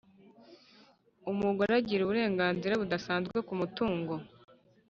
umugore agira uburenganzira budasanzwe k’umutungo